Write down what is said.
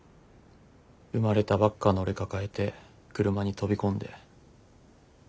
生まれたばっかの俺抱えて車に飛び込んで。